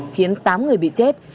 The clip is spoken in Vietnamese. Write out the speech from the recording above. khiến tám người bị chết